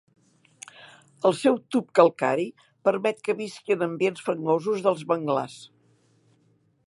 El seu tub calcari permet que visqui en ambients fangosos dels manglars.